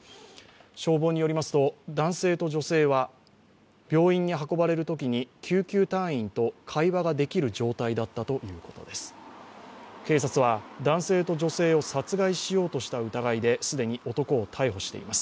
消防によりますと男性と女性は、病院に運ばれるときに救急隊員と会話ができる状態だったということです。